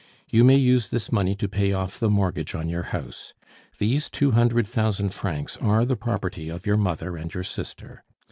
You may use this money to pay off the mortgage on your house. These two hundred thousand francs are the property of your mother and your sister.